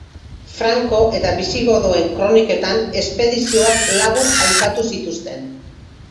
Franko eta bisigodoen kroniketan espedizioak labur aipatu zituzten.